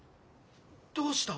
どうした？